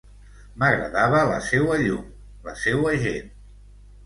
M'agradava la seua llum, la seua gent.